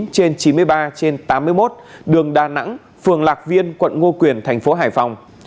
trên chín mươi ba trên tám mươi một đường đà nẵng phường lạc viên quận ngo quyền thành phố hải phòng